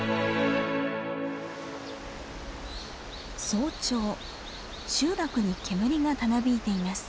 早朝集落に煙がたなびいています。